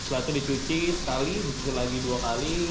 lalu dicuci sekali dicuci lagi dua kali